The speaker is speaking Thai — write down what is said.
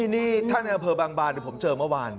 นี่ท่านในอำเภอบางบานผมเจอเมื่อวาน